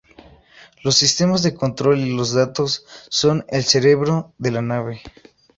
Los sistemas de control y datos son el "cerebro de la nave".